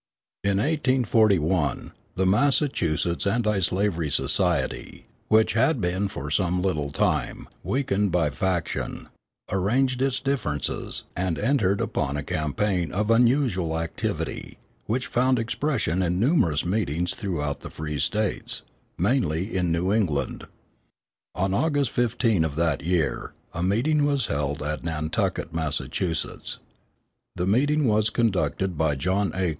In 1841 the Massachusetts Anti slavery Society, which had been for some little time weakened by faction, arranged its differences, and entered upon a campaign of unusual activity, which found expression in numerous meetings throughout the free States, mainly in New England. On August 15 of that year a meeting was held at Nantucket, Massachusetts. The meeting was conducted by John A.